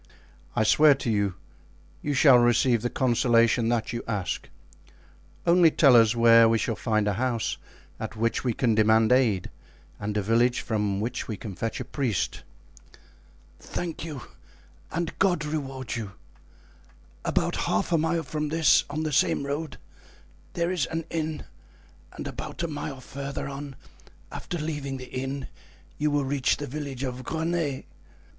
"I swear to you, you shall receive the consolation that you ask. Only tell us where we shall find a house at which we can demand aid and a village from which we can fetch a priest." "Thank you, and God reward you! About half a mile from this, on the same road, there is an inn, and about a mile further on, after leaving the inn, you will reach the village of Greney.